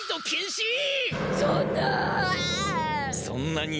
そんな！